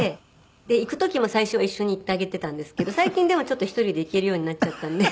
で行く時も最初は一緒に行ってあげていたんですけど最近でも１人で行けるようになっちゃったんで。